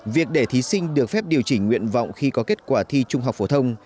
việc để thí sinh được phép điều chỉnh nguyện vọng khi có kết quả thi trung học phổ thông